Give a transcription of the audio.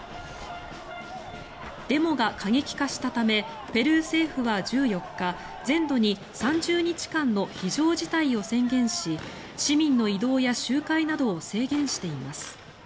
デモが過激化したためペルー政府は１４日全土に３０日間の非常事態を宣言し市民の移動や集会などを制限しています。